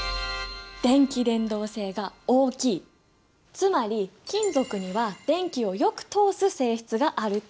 つまり金属には電気をよく通す性質があるってこと。